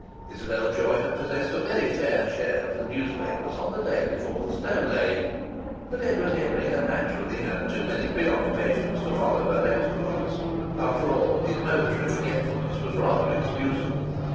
Isabel Joy had possessed a very fair share of the newspapers on the day before the stone laying, but Edward Henry had naturally had too many preoccupations to follow her exploits. After all, his momentary forgetfulness was rather excusable.